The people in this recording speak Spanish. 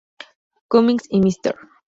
Cummings y Mr.